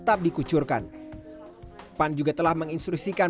berdasarkan gagitan yang dilakukan